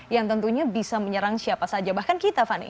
yang tentunya bisa menyerang siapa saja bahkan kita fani